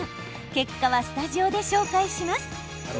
結果はスタジオで紹介します。